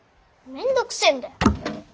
めんどくせえんだよ！